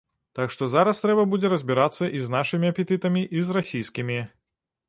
Так што зараз трэба будзе разбірацца і з нашымі апетытамі, і з расійскімі.